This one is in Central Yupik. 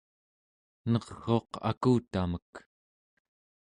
ner'uq akutamek